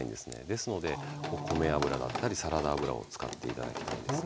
ですので米油だったりサラダ油を使って頂きたいんですね。